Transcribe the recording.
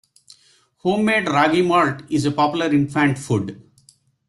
Home-made ragi malt is a popular infant food.